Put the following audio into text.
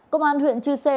công an huyện chư sê